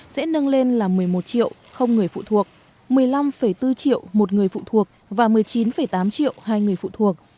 sẽ nâng lên là một mươi một triệu không người phụ thuộc một mươi năm bốn triệu một người phụ thuộc và một mươi chín tám triệu hai người phụ thuộc